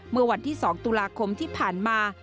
เมื่อวันที่๒ตุลาคมที่ผ่านมา